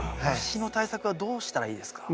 虫の対策はどうしたらいいですか？